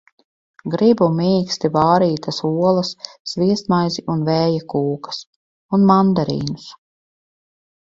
Gribu mīksti vārītas olas, sviestmaizi un vēja kūkas... Un mandarīnus...